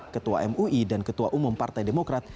ketua mui dan ketua umum partai demokrat